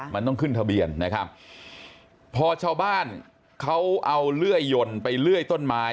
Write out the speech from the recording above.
มันต้องขึ้นทะเบียนนะครับพอชาวบ้านเขาเอาเลื่อยยนต์ไปเลื่อยต้นไม้